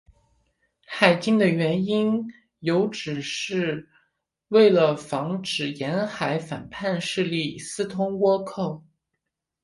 海禁的原因有指是为了防止沿海反叛势力私通倭寇。